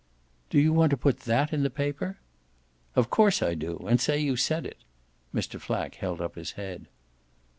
"Do you want to put that in the paper?" "Of course I do and say you said it!" Mr. Flack held up his head.